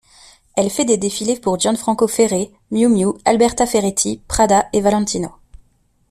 Elle fait des défilés pour Gianfranco Ferré, Miu Miu, Alberta Ferretti, Prada et Valentino.